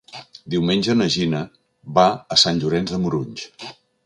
Diumenge na Gina va a Sant Llorenç de Morunys.